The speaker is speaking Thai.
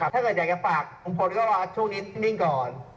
ถ้าเกิดอยากจะฝากลุงพลก็รอช่วงนี้นิ่งก่อน